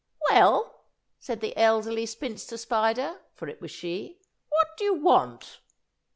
"Well!" said the Elderly Spinster Spider, for it was she, "What do you want?"